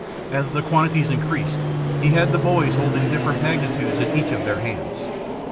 As the quantities increased, he had the boys holding different magnitudes in each of their hands.